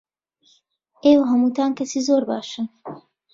ئێوە هەمووتان کەسی زۆر باشن.